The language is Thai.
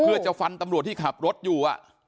เพื่อจะฟันตำรวจที่ขับรถอยู่